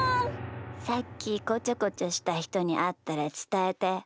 さっきこちょこちょしたひとにあったらつたえて。